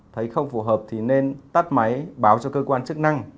thấy không phù hợp thì nên tắt máy báo cho cơ quan chức năng